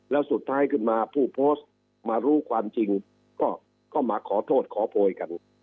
แล้วสุดท้ายขึ้นมาผู้โพสต์มารู้ความจริงก็มาขอโทษขอโพยกัน